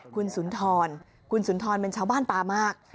คุณสุนทรคุณสุนทรเป็นชาวบ้านปามาก